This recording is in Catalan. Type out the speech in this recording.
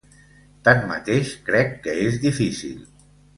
Tanmateix, crec que és difícil.